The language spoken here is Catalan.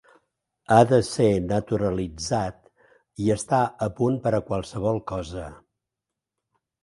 Ha de ser naturalitzat i està a punt per a qualsevol cosa.